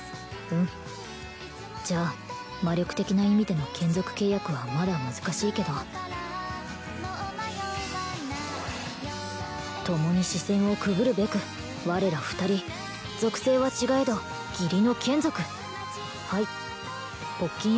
うんじゃあ魔力的な意味での眷属契約はまだ難しいけどともに死線をくぐるべく我ら２人属性は違えど義理の眷属はいぽっきん